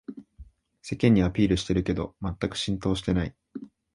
世間にアピールしてるけどまったく浸透してない